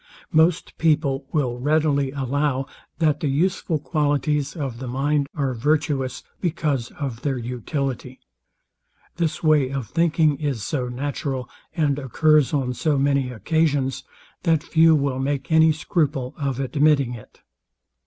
Most people will readily allow, that the useful qualities of the mind are virtuous, because of their utility. This way of thinking is so natural, and occurs on so many occasions, that few will make any scruple of admitting it.